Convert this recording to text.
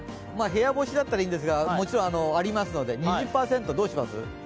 部屋干しだったらいいんですがもちろんありますので２０％、どうします？